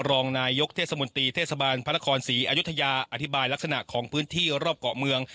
รองนายกเทศมนตรีเทศบาลพระนครศรีอยุธยาอธิบายลักษณะของพื้นที่รอบเกาะเมือง